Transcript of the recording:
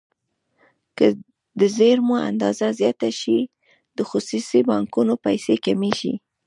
که د زېرمو اندازه زیاته شي د خصوصي بانکونو پیسې کمیږي.